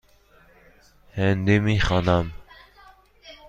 هندی می خوانم.